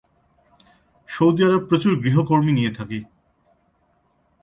Saudi Arab প্রচুর গৃহকর্মী নিয়ে থাকে।